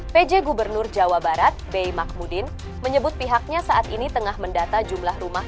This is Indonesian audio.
pj gubernur jawa barat b mahmudin menyebut pihaknya saat ini tengah mendata jumlah rumah